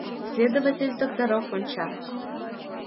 — Следователь Токтаров онча.